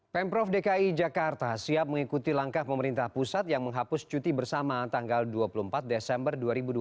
pemprov dki jakarta siap mengikuti langkah pemerintah pusat yang menghapus cuti bersama tanggal dua puluh empat desember dua ribu dua puluh